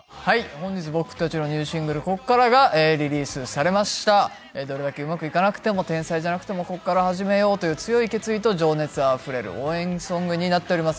本日僕たちのニューシングル「こっから」がリリースされましたどれだけうまくいかなくても天才じゃなくてもこっから始めようという強い決意と情熱あふれる応援ソングになっております